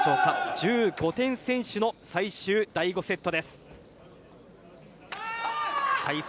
１５点先取の最終第５セットです。